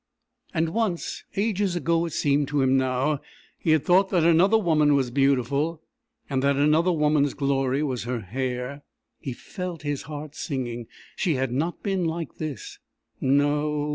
And once ages ago it seemed to him now he had thought that another woman was beautiful, and that another woman's glory was her hair! He felt his heart singing. She had not been like this. No.